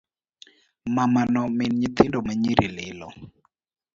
Mamano min nyithindo ma nyiri lilo.